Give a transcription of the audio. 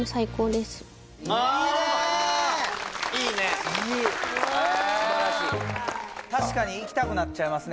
すばらしい確かに行きたくなっちゃいますね